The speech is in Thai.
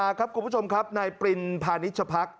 สวัสดีครับคุณผู้ชมครับนายปริณภาณิชยภักษ์